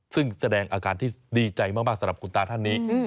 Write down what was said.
ซึ่งแสดงอาการที่ดีใจมากสำหรับคุณตาท่านนี้